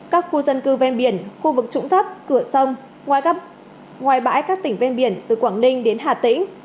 các khu dân cư ven biển khu vực trũng thấp cửa sông ngoài bãi các tỉnh ven biển từ quảng ninh đến hà tĩnh